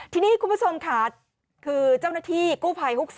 ทีนี้คุณผู้ชมค่ะคือเจ้าหน้าที่กู้ภัยฮุก๒